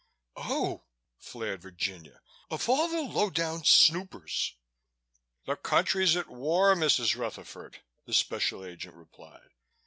"Oh!" flared Virginia, "of all the low down snoopers!" "The country's at war, Mrs. Rutherford," the Special Agent replied.